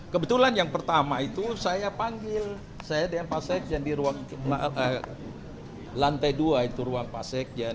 kebetulan yang pertama itu saya panggil saya dengan pak sekjen di ruang lantai dua itu ruang pak sekjen